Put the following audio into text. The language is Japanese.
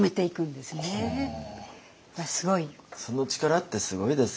その力ってすごいですよね。